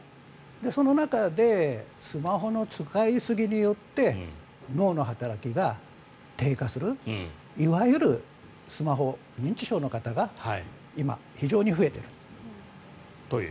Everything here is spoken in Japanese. その中でスマホの使いすぎによって脳の働きが低下するいわゆるスマホ認知症の方が今、非常に増えている。